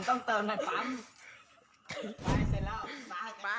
หัวหน้าน้ำน้ำน้ำน้ำ